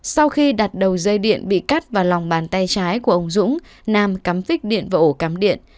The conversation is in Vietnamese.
sau khi đặt đầu dây điện bị cắt vào lòng bàn tay trái của ông dũng nam cắm vích điện vào ổ cắm điện